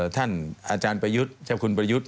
ท่านอาจารย์ประยุทธ์เจ้าคุณประยุทธ์